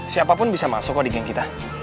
siapapun bisa masuk kok di game kita